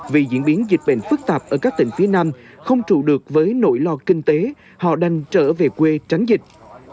vì diễn biến dịch bệnh phức tạp ở các tỉnh phía nam không trụ được với nỗi lo kinh tế họ đành trở về quê tránh dịch